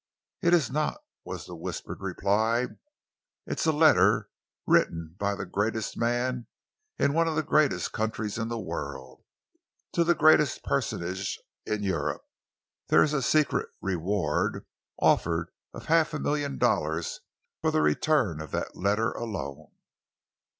"It is not," was the whispered reply. "It is a letter, written by the greatest man in one of the greatest countries in the world, to the greatest personage in Europe. There is a secret reward offered of half a million dollars for the return of that letter alone."